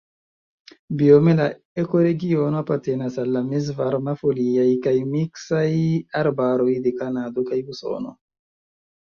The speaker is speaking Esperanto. Biome la ekoregiono apartenas al mezvarmaj foliaj kaj miksaj arbaroj de Kanado kaj Usono.